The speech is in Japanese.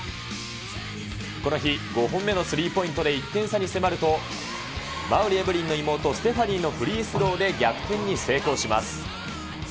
この日、５本目のスリーポイントで１点差に迫ると、馬瓜エブリンの妹、ステファニーのフリースローで逆転に成功します。